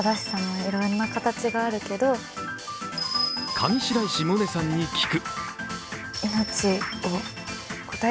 上白石萌音さんに聞く。